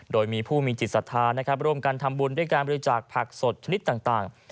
โดยมีผู้มีจิตศรัทธานะครับร่วมกันทำบุญด้วยการบริจาคผักสดชนิดต่าง